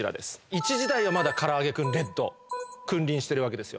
１時台はまだからあげクンレッド君臨してるわけですよ